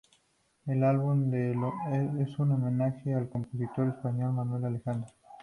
El álbum es un homenaje al compositor español Manuel Alejandro.